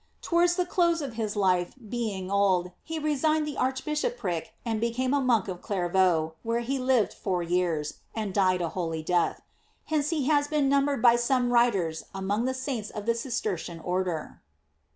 Towards the close of his life, being old, he resigned the arch bishopric and became a monk of Clairvaux, where he lived four years, and died a holy death. Hence he has been numbered by some writers among the saints of the Cistercian order.